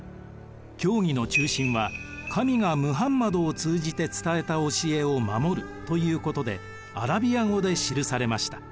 教義の中心は神がムハンマドを通じて伝えた教えを守るということでアラビア語で記されました。